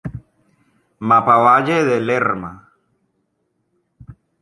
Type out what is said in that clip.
Mapa Valle de Lerma